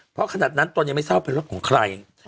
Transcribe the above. เพราะขณะนั้นโตนยังไม่เศร้าเป็นรถของใคร